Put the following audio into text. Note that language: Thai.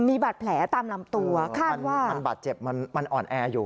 มีบัตรแผลตามลำตัวคาดว่ามันบัตรเจ็บมันอ่อนแออยู่